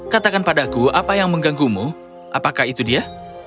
katakan padaku apa yang mengganggumu apakah itu dia